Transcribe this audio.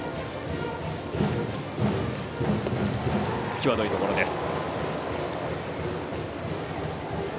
際どいところです。